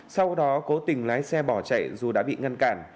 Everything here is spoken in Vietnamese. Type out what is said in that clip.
sau đó cố tình lái xe bỏ chạy dù đã bị ngăn cản